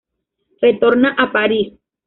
Retorna a París.